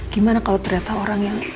gimana kalau ternyata orang yang